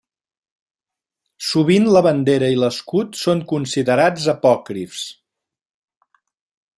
Sovint la bandera i l'escut són considerats apòcrifs.